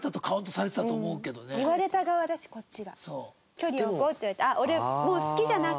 「距離を置こう」って言われて。